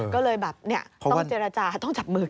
ก็เลยแบบเนี่ยต้องเจรจาต้องจับมือกัน